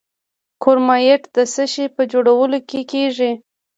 کرومایټ د څه شي په جوړولو کې کاریږي؟